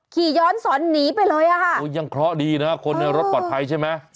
ขี่ย้อนสอนหนีไปเลยอ่ะค่ะโอ้ยังเคราะห์ดีนะคนในรถปลอดภัยใช่ไหม